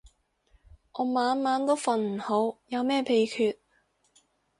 我晚晚都瞓唔好，有咩秘訣